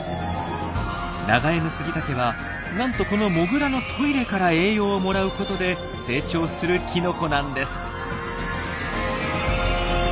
ナガエノスギタケはなんとこのモグラのトイレから栄養をもらうことで成長するきのこなんです。